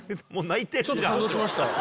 ちょっと感動しました。